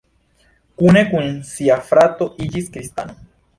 Kune kun sia frato iĝis kristano.